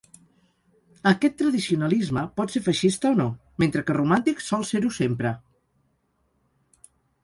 Aquest tradicionalisme pot ser feixista o no, mentre que romàntic sol ser-ho sempre.